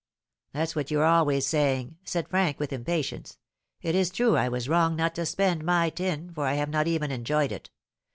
"That's what you are always saying," said Frank, with impatience; "it is true I was wrong not to spend my 'tin,' for I have not even enjoyed it.